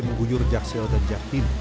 menggunyur jaksel dan jaknim